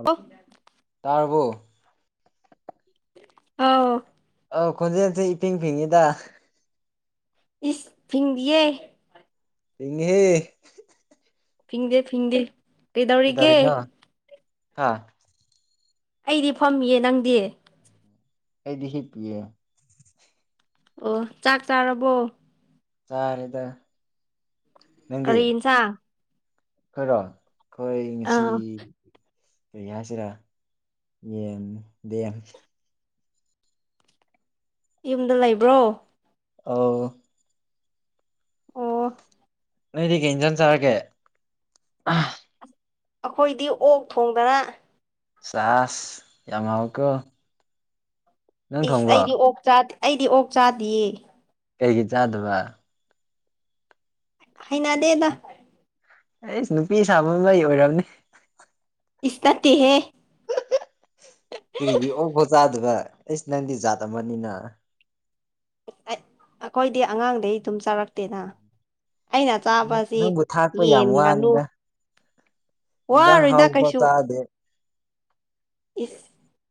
Hello ꯇꯥꯔꯕꯣ ꯑꯥꯎ ꯑꯧ ꯈꯣꯟꯖꯦꯜꯁꯦ ꯏꯄꯤꯡ ꯐꯤꯡꯉꯤꯗ ꯏꯁ ꯐꯤꯡꯗꯤꯌꯦ ꯢꯪꯉꯦꯍꯦ ꯐꯤꯡꯗꯦ ꯐꯤꯡꯗꯦ ꯀꯩꯗꯧꯔꯤꯒꯦ ꯀꯩꯗꯧꯔꯤꯅꯣ ꯍꯥ ꯑꯩꯗꯤ ꯐꯝꯃꯤꯌꯦ ꯅꯪꯗꯤ ꯑꯩꯗꯤ ꯍꯤꯞꯄꯤꯌꯦ꯫ ꯑꯣ ꯆꯥꯛ ꯆꯥꯔꯕꯣ꯫ ꯆꯥꯔꯦꯗ꯫ ꯀꯔꯤ ꯏꯟꯁꯥꯡ꯫ ꯈꯣꯏꯔꯣ ꯑꯩꯈꯣꯏ ꯉꯁꯤ꯫ ꯑꯥ ꯀꯩ ꯍꯥꯏꯁꯤꯔꯥ ꯌꯦꯟꯗꯦꯝ꯫ ꯌꯨꯝꯗ ꯂꯩꯕ꯭ꯔꯣ꯫ ꯑꯥꯎ꯫ ꯑꯣ ꯅꯣꯏꯗꯤ ꯀꯦ ꯏꯟꯖꯟ ꯆꯔꯒꯦ꯫ ꯑꯩꯈꯣꯏꯗꯤ ꯑꯣꯛ ꯊꯣꯡꯗꯅ꯫ ꯁꯥꯁ ꯌꯥꯝ ꯃꯜꯂꯦꯀꯣ꯫ ꯏꯁ ꯑꯩꯗꯤ ꯑꯣꯛ ꯆꯥꯗꯦ ꯑꯩꯗꯤ ꯑꯣꯛ ꯆꯥꯗꯤꯌꯦ꯫ ꯀꯩꯒꯤ ꯆꯥꯗꯕ꯫ ꯍꯩꯅꯗꯦꯗ꯫ ꯑꯩꯁ ꯅꯨꯄꯤ ꯁꯥꯃꯟꯕꯩ ꯑꯣꯏꯔꯝꯅꯤ꯫ ꯏꯁ ꯅꯠꯇꯦꯍꯦ꯫ ꯀꯔꯤꯒꯤ ꯑꯣ ꯕꯣꯖꯥꯗꯨꯕ ꯑꯩꯁ ꯅꯪꯗꯤ ꯖꯥꯠ ꯑꯃꯅꯤꯅ꯫ ꯑꯩꯈꯣꯏꯗꯤ ꯑꯉꯥꯡꯗꯩ ꯑꯗꯨꯝ ꯆꯥꯔꯛꯇꯦꯅ꯫ ꯑꯩꯅ ꯆꯥꯕꯁꯤ ꯅꯪꯕꯨ ꯊꯥꯛꯄ ꯌꯥꯝ ꯌꯦꯟ ꯉꯥꯅꯨ꯫ ꯋꯥꯅꯤꯗ ꯏꯟꯖꯥꯡ ꯋꯥꯔꯣꯏꯗ ꯍꯥꯎꯕ ꯀꯩꯁꯨ ꯆꯥꯗꯦ꯫ ꯏꯁ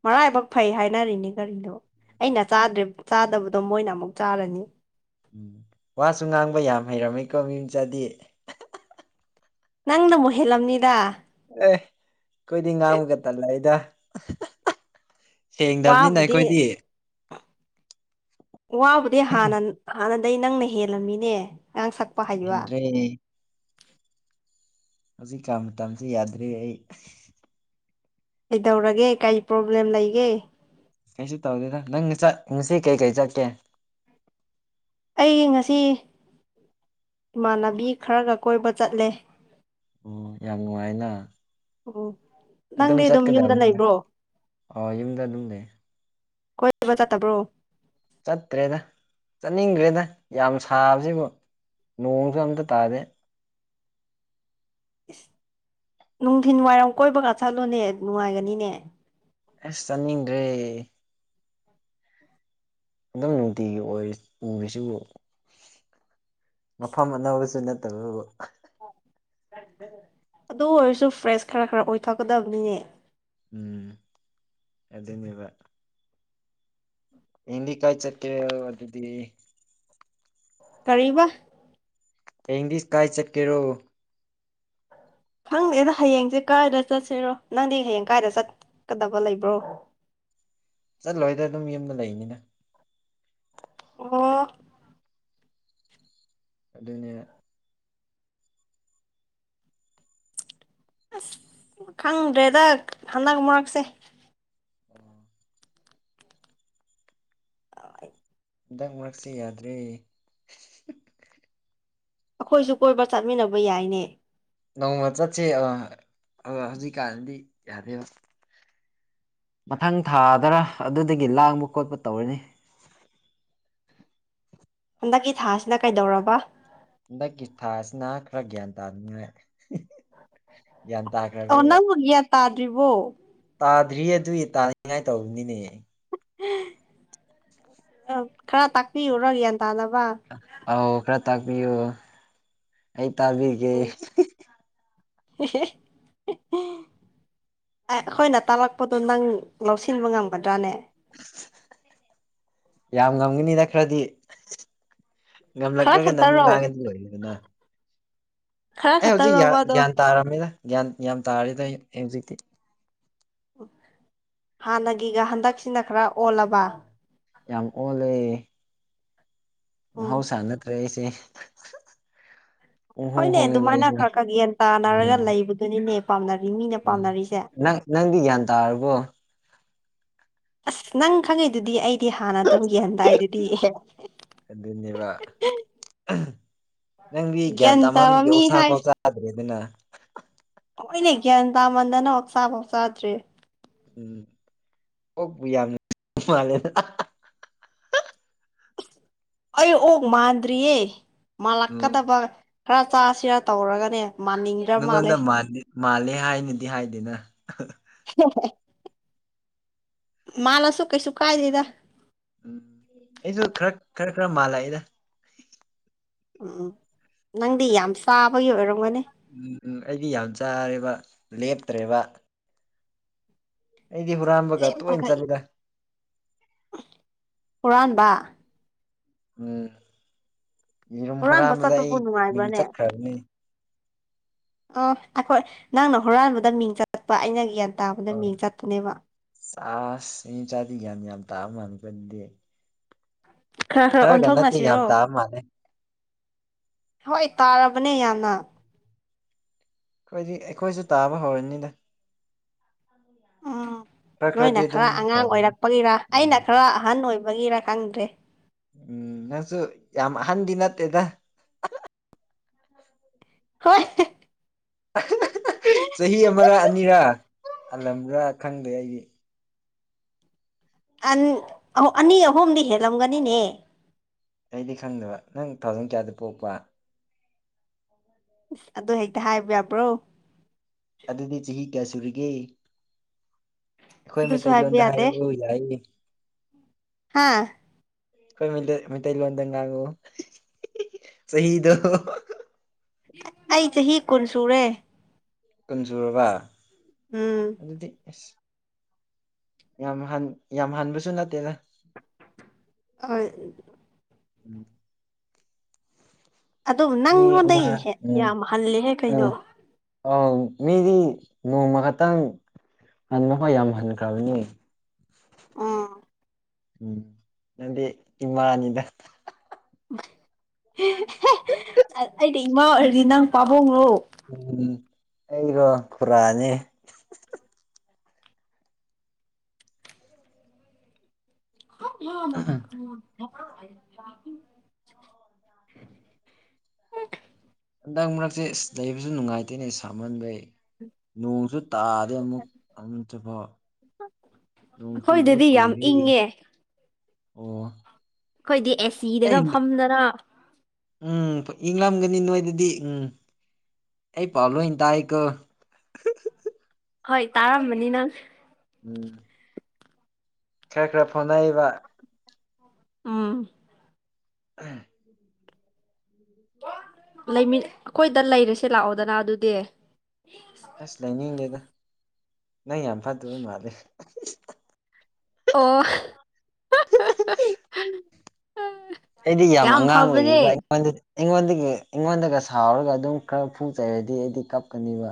ꯃꯔꯥꯏꯕꯛ ꯐꯩ ꯍꯥꯏꯅꯔꯤꯅꯦ ꯀꯔꯤꯗꯣ꯫ ꯑꯩꯅ ꯆꯥꯗꯕꯗꯣ ꯃꯣꯏꯅ ꯑꯃꯨꯛ ꯆꯥꯔꯅꯤ꯫ ꯎꯝ ꯋꯥꯁꯨ ꯉꯥꯡꯕ ꯌꯥꯝ ꯍꯩꯔꯝꯃꯦꯀꯣ ꯃꯤ ꯃꯆꯥꯗꯤ꯫ ꯅꯪꯅꯃꯣ ꯍꯦꯜꯂꯝꯅꯤꯗ꯫ ꯑꯦ ꯀꯣꯏꯗꯤ ꯉꯥꯡꯃꯒ ꯇꯜꯂꯩꯗ꯫ ꯁꯦꯡꯗꯕꯅꯤꯅ ꯋꯥꯕꯨꯗꯤ ꯑꯩꯈꯣꯏꯗꯤ꯫ ꯋꯥꯕꯨꯗꯤ ꯍꯅ ꯍꯥꯟꯅꯗꯩ ꯅꯪꯅ ꯍꯦꯜꯂꯝꯃꯤꯅꯦ ꯑꯥꯡ ꯁꯛꯄ꯫ ꯍꯩꯕ ꯑꯦ꯫ ꯍꯧꯖꯤꯛ ꯀꯥꯟ ꯇꯝꯁꯤ ꯌꯥꯗꯔ꯭ꯦ ꯑꯩ꯫ ꯀꯩꯗꯧꯔꯒꯦ ꯀꯩ ꯄ꯭ꯔꯣꯕ꯭ꯂꯦꯝ ꯂꯩꯒꯦ꯫ ꯀꯩꯁꯨ ꯇꯧꯗꯦꯗ ꯅꯪꯅ ꯆꯠ ꯉꯁꯤ ꯀꯩꯀꯩ ꯆꯠꯀꯦ ꯑꯩ ꯉꯁꯤ ꯏꯃꯥꯟꯅꯕꯤ ꯈꯔꯒ ꯀꯣꯏꯕ ꯆꯠꯂꯦ ꯑꯣ ꯌꯥꯝ ꯅꯨꯡꯉꯥꯏꯅ ꯎꯝ ꯑꯗꯨꯝ ꯅꯪꯗꯤ ꯌꯨꯝꯗ ꯆꯠꯀꯗꯕꯅꯤꯅ ꯂꯩꯕ꯭ꯔꯣ ꯑꯣ ꯌꯨꯝꯗ ꯑꯗꯨꯝ ꯂꯩ ꯀꯣꯏꯕ ꯆꯠꯇꯕ꯭ꯔꯣ ꯆꯠꯇ꯭ꯔꯦꯗ ꯆꯠꯅꯤꯡꯗ꯭ꯔꯦꯗ ꯌꯥꯝ ꯁꯥꯕꯁꯤꯕꯨ ꯅꯣꯡꯁꯨ ꯑꯝꯇ ꯇꯥꯗꯦ ꯏꯁꯁ ꯅꯨꯡꯊꯤꯤꯟ ꯋꯥꯏꯔꯝ ꯀꯣꯏꯕꯒ ꯆꯠꯂꯣꯅꯦ ꯅꯨꯡꯉꯥꯏꯒꯅꯤꯅꯦ ꯑꯁ ꯆꯥꯅꯤꯡꯗ꯭ꯔꯦ ꯝ ꯅꯨꯡꯇꯤꯒꯤ ꯑꯣꯏ ꯎꯔꯤꯁꯤ ꯃꯐꯝ ꯑꯅꯧꯕꯁꯨ ꯅꯠꯇꯕ ꯑꯗꯨ ꯑꯣꯏꯔꯁꯨ ꯐ꯭ꯔꯦꯁ ꯈꯔ ꯈꯔ ꯑꯣꯏꯊꯣꯛꯀꯗꯕꯅꯤꯅꯦ꯫ ꯎꯝ ꯑꯗꯨꯅꯦꯕ ꯍꯌꯦꯡꯗꯤ ꯀꯥꯏ ꯆꯠꯀꯦꯔ ꯑꯗꯨꯗꯤ ꯀꯔꯤꯕ ꯍꯌꯦꯡꯗꯤ ꯁꯀꯥꯏ ꯆꯠꯀꯦꯔꯣ ꯈꯪꯗꯦꯗ ꯍꯌꯦꯡꯁꯦ ꯀꯥꯏꯗ ꯆꯠꯁꯤꯔꯣ ꯅꯪꯗꯤ ꯍꯌꯦꯡ ꯀꯥꯏꯗ ꯆꯠꯀꯗꯕ ꯂꯩꯕ꯭ꯔꯣ ꯆꯠꯂꯣꯏꯗ ꯑꯗꯨꯝ ꯌꯨꯝꯗ ꯂꯩꯅꯤꯅ ꯑꯣ ꯑꯗꯨꯅꯦ ꯑꯁ ꯈꯪꯗ꯭ꯔꯦꯗ ꯍꯟꯗꯛ ꯃꯔꯛꯁꯦ ꯎꯝ ꯑ ꯍꯟꯗꯛ ꯃꯔꯛꯁꯤ ꯌꯥꯗ꯭ꯔꯤ ꯑꯩꯈꯣꯏꯁꯨ ꯀꯣꯏꯕ ꯆꯠꯃꯤꯟꯅꯕ ꯌꯥꯏꯅꯦ ꯅꯣꯡꯃ ꯆꯠꯁꯦ ꯍꯧꯖꯤꯛꯀꯥꯟꯗꯤ ꯌꯥꯗꯦꯕ ꯃꯊꯪ ꯊꯥꯗꯔ ꯑꯗꯨꯗꯒꯤ ꯂꯥꯡꯕ ꯈꯣꯠꯄ ꯇꯧꯔꯅꯤ ꯍꯟꯗꯛꯀꯤ ꯊꯥꯁꯤꯅ ꯀꯩꯗꯧꯔꯕ ꯍꯟꯗꯛꯀꯤ ꯊꯥꯁꯤꯅ ꯈꯔ ꯒ꯭ꯌꯥꯟ ꯇꯥꯅꯤꯡꯉꯥꯏ ꯒ꯭ꯌꯥꯟ ꯑꯣ ꯇꯥꯈ꯭ꯔꯕꯤꯕ ꯅꯪꯕꯨꯒꯌꯥ ꯇꯥꯗ꯭ꯔꯤꯕꯔꯤꯕꯣ ꯇꯥꯗ꯭ꯔꯤꯌꯦ ꯑꯗꯨꯏ ꯇꯥꯅꯤꯡꯉꯥꯏ ꯇꯧꯔꯕꯅꯤꯅꯦ ꯑ ꯈꯔ ꯇꯥꯛꯄꯤꯌꯨꯔꯣ ꯒ꯭ꯌꯥꯟ ꯇꯥꯅꯕ ꯑꯥꯎ ꯈꯔ ꯇꯥꯛꯄꯤꯌꯨ ꯑꯩ ꯇꯥꯕꯤꯒꯦ ꯍ [unintelligible] ꯑꯩꯈꯣꯏꯅ ꯇꯥꯛꯂꯛꯄꯗꯣ ꯅꯪ ꯂꯧꯁꯤꯟꯕ ꯉꯝꯒꯗ꯭ꯔꯥꯅꯦ ꯌꯥꯝ ꯉꯝꯒꯅꯤꯅ ꯈꯔꯗꯤ ꯈꯔ ꯉꯝꯂꯛꯇ꯭ꯔꯒꯅ ꯑꯃꯨꯛ ꯈꯛꯇꯔꯣ ꯉꯥꯡꯉꯗꯤ ꯂꯣꯏꯌꯦꯗꯅ ꯈꯔ ꯑꯦ ꯍꯧꯖꯤꯛ ꯈꯛꯇꯔꯣꯕ ꯑꯗꯣ ꯒ꯭ꯌꯥꯟ ꯇꯥꯔꯝꯃꯤꯅ ꯒ꯭ꯌꯥꯟ ꯭ꯌꯥ ꯇꯥꯔꯤꯗ ꯑꯩ ꯍꯧꯖꯤꯛꯇꯤ ꯍꯥꯟꯅꯒꯤꯒ ꯍꯟꯗꯛꯁꯤꯅ ꯈꯔ ꯑꯣꯜꯂꯕ ꯌꯥꯝ ꯑꯣꯜꯂꯦ ꯎꯝ ꯍꯧꯁ ꯅꯠꯇ꯭ꯔꯦ ꯑꯩꯁꯦ ꯄꯨꯡ ꯍꯣꯡ ꯍꯣꯏꯅꯦ ꯍꯣꯡꯉꯦꯕ ꯑꯗꯨꯃꯥꯏꯅ ꯑꯩꯁꯦ ꯈꯔ ꯈꯔ ꯒ꯭ꯌꯥꯟ ꯇꯥꯅꯔꯒ ꯎꯝ ꯂꯩꯕꯗꯨꯅꯤꯅꯦ ꯄꯥꯝꯅꯔꯤ ꯃꯤꯅꯦ ꯎꯝ ꯄꯥꯝꯅꯔꯤꯁꯦ ꯅꯪ ꯅꯪꯗꯤ ꯭ꯌꯥꯟ ꯇꯥꯔꯔꯕꯣ ꯑꯁ ꯅꯪ ꯈꯪꯉꯩꯗꯨꯗꯤ ꯑꯩ ꯗꯤ ꯍꯥꯟꯅ ꯇꯧꯒꯦꯍꯟꯗꯥꯏꯗꯨꯗꯤ ꯑꯗꯨꯅꯦꯕ ꯌꯦꯇ ꯃꯃꯤ ꯍꯥꯏ ꯑꯗꯨ꯭ꯔꯦ ꯑꯗꯨꯅ ꯑꯩꯈꯣꯏꯅꯦ ꯒ꯭ꯌꯥꯟ ꯇꯥꯃꯟꯗꯅ ꯍꯆꯥꯥꯐꯥꯎ ꯆꯥꯗ꯭ꯔꯦ ꯎꯝ ꯑꯣꯣꯛꯄ ꯌꯥꯝꯅ ꯃꯥꯜꯂꯦꯗ ꯑꯩ ꯑꯣꯛ ꯃꯥꯟꯗ꯭ꯔꯤꯌꯦ ꯎꯝ ꯃꯥꯜꯂꯛꯀꯗꯕ ꯈꯔ ꯆꯥꯁꯤꯔ ꯇꯧꯔꯒꯅꯦ ꯃꯥꯅꯤꯡꯉ ꯅꯉꯣꯟꯗ ꯃꯥꯜꯂꯦ ꯍꯥꯏꯅꯗꯤ ꯍꯥꯏꯗꯦꯅ ꯍ ꯍꯣꯏ ꯃꯥꯜꯂꯁꯨ ꯀꯩꯁꯨ ꯀꯥꯏꯗꯦꯗ ꯎꯝ ꯑꯩꯁꯨ ꯈꯔ ꯈꯔ ꯈꯔ ꯃꯥꯜꯂ ꯑꯩꯗ ꯎꯝ ꯎꯝ ꯅꯪꯗꯤ ꯌꯥꯝ ꯆꯥꯕꯒꯤ ꯑꯣꯏꯔꯝꯒꯅꯤ ꯎꯝ ꯎꯝ ꯑꯩꯗꯤ ꯌꯥꯝ ꯆꯥꯔꯦꯕ ꯂꯦꯞꯇ꯭ꯔꯦꯕ ꯑꯩꯗꯤ ꯍꯨꯔꯥꯥꯟꯕꯝꯕꯒ ꯇ ꯑꯣꯏꯅꯅ ꯆꯠꯗ ꯄꯨꯨꯔꯟꯕ ꯎꯝ ꯌꯦꯔꯨꯝ ꯍꯨꯔꯥꯟꯕ ꯍꯨꯔꯥꯟꯕꯗ ꯆꯠꯄꯕꯨ ꯑꯩ ꯃꯤꯡ ꯅꯨꯡꯉꯥꯏꯕ꯭ꯔꯅꯦ ꯆꯠꯈ꯭ꯔꯕꯅꯦ ꯑ ꯑꯩꯈꯣꯏ ꯅꯪꯅ ꯍꯨꯔꯥꯟꯕꯗ ꯃꯤꯡ ꯆꯠꯄ ꯑꯩꯅ ꯒ꯭ꯌꯥꯟ ꯇꯥꯕꯗ ꯃꯤꯡ ꯆꯠꯄꯅꯦꯕ ꯆ ꯏ ꯆꯥꯂꯤꯒꯅꯤ ꯌꯥꯝ ꯊꯥꯃꯅꯤ ꯀ ꯈꯔ ꯈꯔ ꯅꯠꯇꯦ ꯌꯥꯝ ꯑꯣꯟꯊꯣꯛꯅꯁꯤꯔꯣ ꯇꯥꯕ ꯃꯥꯜꯂꯦ ꯍꯣꯏ ꯇꯥꯔꯕꯅꯦ ꯌꯥꯝꯅ ꯑꯩꯈꯣꯏꯗꯤ ꯑꯩꯈꯣꯏꯁꯨ ꯇꯥꯕ ꯍꯧꯔꯅꯤꯅ ꯎꯝ ꯈꯔ ꯈꯔꯗꯤ ꯅꯣꯏꯅ ꯑꯗꯨꯝ ꯈꯔ ꯑꯉꯥꯡ ꯍꯧꯔꯅꯤ ꯑꯣꯏꯔꯛꯄꯒꯤꯔ ꯎꯝ ꯑꯩꯅ ꯈꯔ ꯑꯍꯟ ꯑꯣꯏꯕꯒꯤꯔ ꯈꯪꯗ꯭ꯔꯦ ꯎꯝ ꯅꯪꯁꯨ ꯌꯥꯝ ꯑꯍꯟꯗꯤ ꯅꯠꯇꯦꯗ ꯍꯣꯏ ꯆꯍꯤ ꯑꯃꯔ ꯑꯅꯤꯔꯥ ꯍꯜꯂꯝꯕ꯭ꯔꯥ ꯈꯪꯗꯦ ꯑꯩꯗꯤ ꯑꯅꯤ ꯑꯍꯨꯝꯗꯤ ꯍꯦꯜꯂꯝꯒꯅꯤꯅꯦ ꯑꯩꯗꯤ ꯈꯪꯗꯕ ꯅꯪ ꯊꯥꯎꯖꯟ ꯀꯌꯥꯗ ꯄꯣꯛꯄ ꯑꯁ ꯑꯗꯨ ꯍꯦꯛꯇ ꯍꯥꯏꯕ ꯌꯥꯕ꯭ꯔꯣ ꯑꯗꯨꯗꯤ ꯆꯍꯤ ꯀꯌꯥ ꯁꯨꯔꯤꯒꯦ ꯑꯩꯈꯣꯏ ꯑꯗꯨꯁꯨ ꯍꯥꯏꯕ ꯃꯩꯇꯩꯂꯣꯟꯗ ꯌꯥꯗꯦ ꯍꯥꯏꯔꯛꯎ ꯌꯥꯏ ꯍꯥꯥ ꯑꯩꯈꯣꯏ ꯃꯩꯇꯩꯂꯣꯟꯗ ꯉꯥꯡꯉꯨ ꯆꯍꯤꯗꯣ ꯑꯩ ꯆꯍꯤ ꯀꯨꯟ ꯁꯨꯔꯦ ꯀꯟꯖꯨꯔꯕ ꯎꯝ ꯑꯗꯨꯗꯤ ꯑꯦꯁ ꯌꯥꯝ ꯍꯟ ꯌꯥꯝ ꯍꯟꯕꯁꯨ ꯅꯠꯇꯦꯅ ꯑ ꯑꯗꯨ ꯑꯗꯨꯕꯨ ꯃꯤ ꯑꯃ ꯅꯪꯉꯣꯟꯗꯒꯤ ꯍꯦꯛ ꯌꯥꯝ ꯍꯂꯦꯍꯦ ꯀꯩꯅꯣ ꯑ ꯃꯤꯗꯤ ꯅꯣꯡꯃ ꯈꯛꯇꯪ ꯍꯟꯕꯈꯣꯏ ꯌꯥꯝ ꯍꯟꯈ꯭ꯔꯕꯅꯤ ꯑꯥ ꯎꯝ ꯅꯗꯤ ꯏꯃꯅꯤꯗ ꯑꯩꯗꯤ ꯏꯃꯥ ꯑꯣꯏꯔꯗꯤ ꯅꯪ ꯄꯥꯕꯨꯡꯅꯣ ꯎꯝ ꯑꯩꯒꯣ ꯈꯨꯔꯅꯤ ꯍ ꯃ ꯍꯟꯗꯛ ꯃꯔꯛꯁꯦ ꯑꯁ ꯂꯩꯕꯁꯨ ꯅꯨꯡꯉꯥꯏꯇꯦꯅꯦ ꯁꯥꯝꯍꯟꯕꯩ ꯅꯣꯡꯁꯨ ꯇꯥꯔꯗꯤ ꯑꯃꯨꯛ ꯑꯃꯨ ꯆꯠꯄꯣ ꯑ ꯑꯩꯈꯣꯏꯗꯗꯤ ꯌꯥꯝ ꯀꯨꯏꯔꯦ ꯏꯪꯉꯦ ꯑꯣ ꯑꯩꯈꯣꯏꯗꯤ ꯑꯩ ꯑꯦꯁꯤꯗꯒ ꯐꯝꯗꯅ ꯎꯝ ꯏꯡꯂꯂꯝꯒꯅꯤ ꯅꯣꯏꯗꯗꯤ ꯎꯝ ꯑꯩ ꯄꯥꯎ ꯂꯣꯏ ꯇꯥꯛꯦꯀꯣ ꯍꯣꯏ ꯇꯥꯔꯝꯕꯅꯤ ꯅꯪ ꯎꯝ ꯈꯔ ꯈꯔ ꯐꯣꯟꯅꯕ ꯑꯥ ꯎꯝ ꯂꯩ ꯑꯩꯈꯣꯏꯗ ꯂꯩꯔꯁꯦ ꯂꯥꯛꯑꯣꯗꯅ ꯑꯗꯨꯗꯤ ꯑꯁ ꯂꯩꯅꯤꯡꯉꯦꯗ ꯅꯪ ꯌꯥꯝ ꯐꯗꯕ ꯃꯥꯂꯦ ꯑꯣ ꯑꯩꯗꯤ ꯌꯥꯝ ꯑꯉꯥꯡ ꯑꯣꯏꯔꯤꯕ꯭ꯔ ꯑꯩꯉꯣꯟꯗꯗꯤ ꯑꯩꯉꯣꯟꯗꯒꯤ ꯑꯩꯉꯣꯟꯗꯒ ꯁꯥꯎꯔꯒ ꯑꯗꯨꯝ ꯈꯔ ꯐꯨ ꯆꯩꯔꯗꯤ ꯑꯩꯗꯤ ꯀꯞꯀꯅꯤꯕ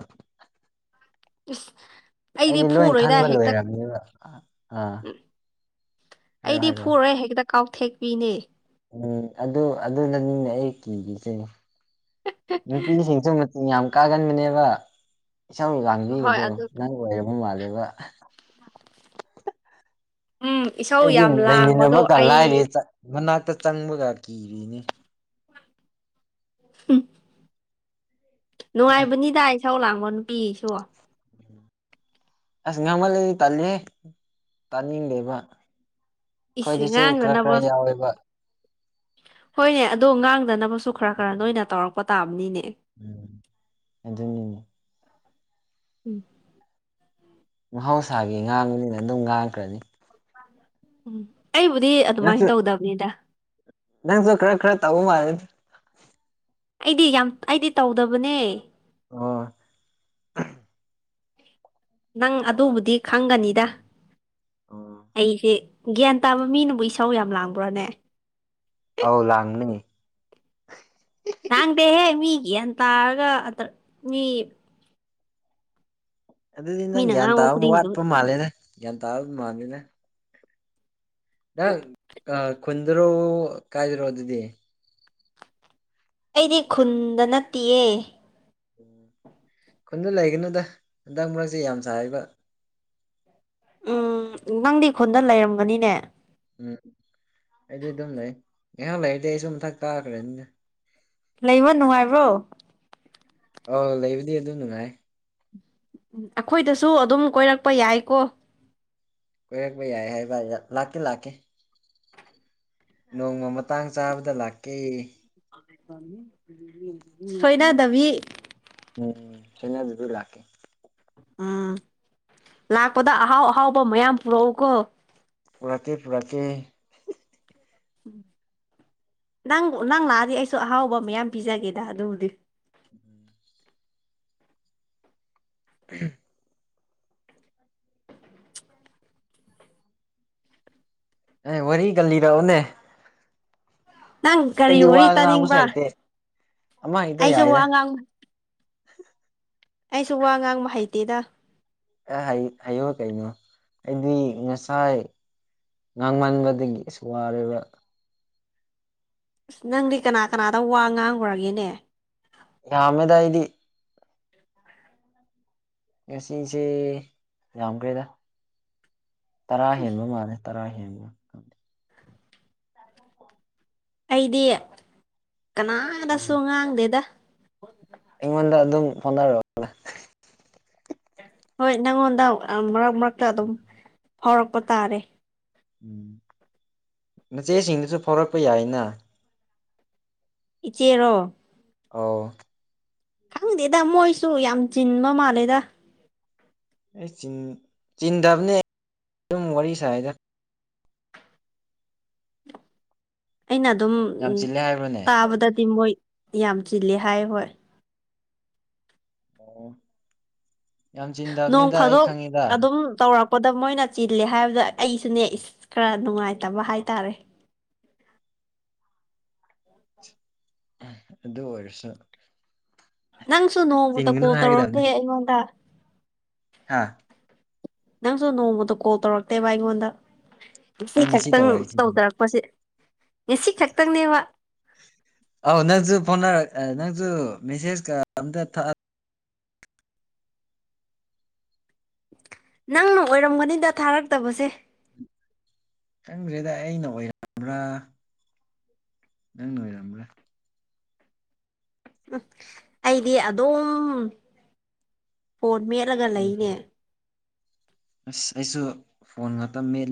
ꯏꯁ ꯑꯩꯗꯤ ꯂꯣꯏ ꯐꯨꯔꯣꯏꯗ ꯈꯟꯕ ꯍꯦꯛꯇ ꯂꯣꯏꯔꯕꯝꯅꯦꯕ ꯑꯥ ꯎꯝ ꯍꯥꯏꯔꯣ ꯑꯩꯗꯤ ꯍꯥꯏꯔꯣ ꯐꯨꯔꯦ ꯍꯦꯛꯇ ꯀꯥꯎꯊꯦꯛꯄꯤꯅꯦ ꯎꯝ ꯑꯗꯨ ꯑꯗꯨꯅꯅꯤꯅꯦ ꯑꯩ ꯀꯤꯈꯤꯁꯦ ꯅꯨꯄꯤꯁꯤꯡꯁꯨ ꯃꯁꯤꯡꯆ ꯌꯥꯝ ꯀꯥꯒꯟꯕꯅꯦꯕ ꯏꯁꯝ ꯍꯣꯏ ꯂꯥꯡꯕꯤꯒꯗꯣ ꯑꯗꯨ ꯅꯪ ꯑꯣꯏꯔꯕ ꯃꯥꯜꯂꯦꯕ ꯎꯝ ꯏꯁꯧ ꯑꯩꯗꯤ ꯌꯥꯝ ꯂꯥꯡꯕꯗꯣ ꯂꯩꯃꯤꯟꯅꯕꯒ ꯑꯩ ꯂꯥꯏꯔꯦ ꯃꯅꯥꯛꯇ ꯆꯪꯕꯒ ꯀꯤꯔꯤꯅꯤ ꯎꯝ ꯅꯨꯡꯉꯥꯏꯕꯅꯤꯗꯥꯏ ꯏꯆꯥꯎ ꯂꯥꯡꯕ ꯅꯨꯄꯤꯁꯨ ꯑꯁ ꯉꯥꯡꯍꯜꯂꯗꯤ ꯇꯜꯜꯂꯤꯦ ꯇꯥꯅꯤꯡꯗꯦꯕ ꯏꯁ ꯑꯩꯈꯣꯏꯗꯁꯨ ꯈꯔ ꯉꯥꯡꯗꯅꯕ ꯈꯔ ꯌꯥꯎꯋꯦꯕ ꯍꯣꯏꯅꯦ ꯑꯗꯣ ꯉꯥꯡꯗꯅꯕꯁꯨ ꯈꯔ ꯈꯔ ꯅꯣꯏꯅ ꯇꯧꯔꯛꯄ ꯇꯥꯕꯅꯤꯅꯦ ꯎꯝ ꯑꯗꯨ ꯎꯝ ꯃꯍꯧꯁꯥꯒꯤ ꯉꯥꯡꯕꯅꯤꯅ ꯑꯗꯨꯝ ꯉꯥꯡꯈ꯭ꯔꯅꯤ ꯎꯝ ꯑꯩꯕꯨꯗꯤ ꯑꯗꯨꯃꯥꯏꯅ ꯇꯧꯗꯕꯅꯤꯗ ꯅꯪꯁꯨꯣ ꯈꯔ ꯈꯔ ꯇꯥꯧ ꯃꯥꯔ ꯑꯩꯗꯤ ꯌꯥꯝ ꯑꯩꯗꯤ ꯇꯧꯗꯕꯅꯦ ꯑꯣ ꯅꯪ ꯑꯗꯨꯕꯨꯗꯤ ꯈꯪꯒꯅꯤꯗ ꯑꯣ ꯑꯩꯁꯦ ꯒ꯭ꯌꯥꯟ ꯇꯥꯕ ꯃꯤꯅꯕꯨ ꯏꯁꯧ ꯌꯥꯝ ꯂꯥꯡꯕ꯭ꯔꯣꯅꯦ ꯑꯧ ꯂꯥꯡꯅꯤꯡꯉ ꯂꯥꯡꯗꯦꯍꯦ ꯃꯤ ꯒ꯭ꯌꯥꯟ ꯇꯥꯔꯒ ꯑ ꯃꯤ ꯑꯗꯨꯗꯤ ꯅꯪ ꯃꯤꯅ ꯒ꯭ꯌꯥꯟ ꯉꯥꯡꯕ ꯇꯥꯕ ꯈꯨꯗꯤꯡꯗꯨ ꯋꯥꯠꯄ ꯃꯥꯜꯂꯦꯅꯦ ꯒ꯭ꯌꯥꯟ ꯇꯥꯕ ꯃꯥꯜꯂꯦꯅꯦ ꯅꯪ ꯈꯨꯟꯗꯔꯣ ꯀꯥꯏꯗꯔꯣ ꯑꯗꯨꯗꯤ ꯑꯩꯗꯤ ꯈꯨꯟꯗ ꯅꯠꯇꯦꯌꯦ ꯎꯝ ꯈꯨꯟꯗ ꯂꯩꯒꯅꯨꯗ ꯍꯟꯗꯛ ꯃꯔꯛꯁꯦ ꯌꯥꯝ ꯁꯥꯕ ꯎꯝ ꯅꯪꯗꯤ ꯈꯨꯣꯟꯗ ꯂꯩꯔꯝꯒꯅꯤꯅꯦ ꯎꯝ ꯑꯩꯗꯤ ꯑꯗꯨꯝ ꯂꯩ ꯉꯍꯥꯛ ꯂꯩꯔꯗꯤ ꯑꯩꯁꯨ ꯃꯝꯊꯛ ꯇꯥꯈ꯭ꯔꯦꯅꯤ ꯂꯩꯕ ꯅꯨꯡꯉꯥꯏꯕ꯭ꯔꯣ ꯑ ꯂꯩꯕꯗꯤ ꯑꯗꯨ ꯅꯨꯡꯉꯥꯏ ꯑꯩꯈꯣꯏꯗꯁꯨ ꯑꯗꯨꯝ ꯀꯣꯏꯔꯛꯄ ꯌꯥꯏꯀꯣ ꯀꯣꯏꯔꯛꯄ ꯌꯥꯏ ꯍꯥꯏꯕ ꯂꯥꯛꯇꯦ ꯂꯥꯛꯀꯦ ꯅꯣꯡꯃ ꯃꯇꯥꯡ ꯆꯥꯕꯗ ꯂꯥꯛꯀꯦ ꯁꯣꯏꯅꯥꯗꯕꯤ ꯎꯝ ꯁꯅ ꯑꯗꯨꯗꯨ ꯂꯥꯛꯀꯦ ꯎꯝ ꯂꯥꯛꯄꯗ ꯑꯍꯥꯎ ꯑꯍꯥꯎꯕ ꯃꯌꯥꯝ ꯄꯨꯔꯛꯎꯀꯣ ꯄꯨꯔꯥꯇ ꯄꯨꯔꯥꯇ ꯎꯝ ꯅꯪ ꯅꯪ ꯂꯥꯛꯑꯗꯤ ꯑꯩꯁꯨ ꯑꯍꯥꯎꯕ ꯃꯌꯥꯝ ꯄꯤꯖꯒꯦꯗ ꯑꯗꯨꯕꯨꯗꯤ ꯎꯝ ꯎ ꯑꯦ ꯋꯥꯔꯤ ꯜꯂꯤꯔꯛꯑꯣꯅꯦ ꯅꯪ ꯒꯥꯔꯤ ꯋꯥ ꯋꯥꯔꯤ ꯉꯥꯡꯕꯁꯨ ꯇꯥꯅꯤꯡꯕ꯭ꯔ ꯍꯩꯇꯦ ꯑꯃ ꯍꯦꯛꯇ ꯑꯩꯁꯨ ꯋꯥ ꯌꯥꯏꯗ ꯉꯥꯡꯅ ꯑꯩꯁꯨ ꯋꯥ ꯉꯥꯡꯕ ꯍꯩꯇꯦꯗ ꯑꯦ ꯍꯥꯏꯌꯨ ꯀꯩꯅꯣ ꯑꯩꯗꯤ ꯉꯁꯥꯏ ꯉꯥꯡꯃꯟꯕꯗꯒꯤꯁꯨ ꯋꯥꯔꯤꯕ ꯅꯪꯗꯤ ꯀꯅꯥ ꯀꯅꯥꯗ ꯋꯥ ꯉꯥꯡꯈꯨꯔꯒꯦꯅꯦ ꯌꯥꯃꯦꯗꯥꯏꯗꯤ ꯉꯁꯤꯁꯦ ꯌꯥꯝꯈ꯭ꯔꯦꯗ ꯇꯔꯥ ꯍꯦꯟꯕ ꯃꯥꯜꯂꯦ ꯇꯔꯥꯍꯤꯃ [unintelligible] ꯑꯩꯗꯤ ꯀꯅꯥꯗꯁꯨ ꯎꯝ ꯉꯥꯡꯗꯦꯗ ꯑꯩꯉꯣꯟꯗ ꯑꯗꯨꯝ ꯐꯣꯟꯅꯔ ꯍꯣꯏ ꯅꯪꯉꯣꯟꯗ ꯃꯔꯛ ꯃꯔꯛꯇ ꯑꯗꯨꯝ ꯐꯥꯎꯔꯛꯄ ꯇꯥꯔꯦ ꯎꯝ ꯃꯆꯦꯁꯤꯡꯗꯨꯁꯨ ꯐꯥꯎꯔꯛꯄ ꯌꯥꯏꯅ ꯏꯆꯦꯔꯣ ꯑꯥꯎ ꯈꯪꯗꯦꯗ ꯃꯣꯏꯁꯨ ꯌꯥꯝ ꯆꯤꯟꯕ ꯃꯥꯜꯂꯦꯗ ꯑꯩ ꯆ ꯆꯤꯟꯗꯕꯅꯦ ꯑꯗꯨꯝ ꯋꯥꯔꯤ ꯁꯥꯏꯗ ꯑꯩꯅ ꯑꯗꯨꯝꯝ ꯌꯥꯝ ꯆꯤꯜꯂꯦ ꯍꯥꯏꯕ꯭ꯔꯅꯦ ꯇꯥꯕꯗꯗꯤ ꯃꯣꯏ ꯌꯥꯝ ꯆꯤꯜꯂꯤꯦ ꯍꯥꯏ ꯍꯣꯏ ꯑꯣ ꯌꯥꯝ ꯆꯤꯟꯗꯕꯅꯤꯗ ꯑꯩ ꯈꯪꯉꯤꯗ ꯄꯣꯗꯝ ꯃꯣꯏꯅ ꯆꯤꯜꯂꯦ ꯍꯥꯏꯕꯗ ꯑꯩꯁꯨꯅꯦ ꯏꯁ ꯈꯔ ꯅꯨꯡꯉꯥꯏꯇꯕ ꯍꯥꯏꯇꯥꯔꯦ ꯑꯗꯨ ꯑꯣꯏꯔꯁꯨ ꯅꯪꯁꯨ ꯅꯣꯡꯃꯇ ꯆꯤꯟꯒꯅꯨ ꯀꯣꯜ ꯇꯧꯔꯛꯇꯦ ꯍꯥꯏꯒꯗꯕꯅꯤ ꯑꯩꯉꯣꯟꯗ ꯍꯥꯥ ꯅꯪꯁꯨ ꯅꯣꯡꯃꯗ ꯀꯣꯜ ꯇꯧꯔꯛꯇꯦꯕ ꯑꯩꯉꯣꯟꯗ ꯁꯤ ꯑꯩ ꯉꯁꯤ ꯈꯛꯇꯪ ꯇꯧꯔꯛꯏꯁꯤꯗꯤ ꯇꯧꯊꯔꯛꯄꯁꯦ ꯉꯁꯤ ꯈꯛꯇꯪꯅꯦꯕ ꯑꯧ ꯅꯪꯁꯨ ꯐꯣꯟꯅꯔꯛ ꯅꯪꯁꯨ ꯃꯦꯁꯦꯖ ꯀ ꯑꯝꯇ ꯅꯪꯅ ꯑꯣꯏꯔꯝꯒꯅꯤꯗ ꯊꯥꯔꯛꯇꯕꯁꯦ ꯈꯪꯗ꯭ꯔꯦꯗ ꯑꯩꯅ ꯑꯣꯏꯔꯕ꯭ꯔꯥ ꯅꯪꯅꯨꯡꯣꯏ ꯎꯝ ꯑꯩꯗꯤ ꯑꯗꯨꯝ ꯐꯣꯟ ꯃꯦꯠꯂꯒ ꯎꯝ ꯂꯩꯅꯦ ꯑꯁ ꯑꯩꯁꯨ ꯐꯣꯟ ꯉꯥꯛꯇ ꯃꯦꯠꯂ